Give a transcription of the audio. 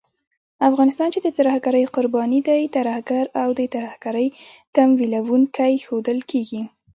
افغانستان چې د ترهګرۍ قرباني دی، ترهګر او د ترهګرۍ تمويلوونکی ښودل کېږي